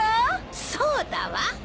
そうだわ！